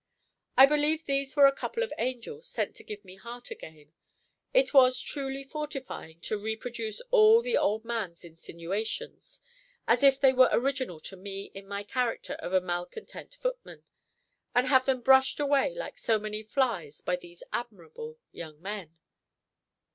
I believe these were a couple of angels sent to give me heart again. It was truly fortifying to reproduce all the old man's insinuations, as if they were original to me in my character of a malcontent footman, and have them brushed away like so many flies by these admirable young men.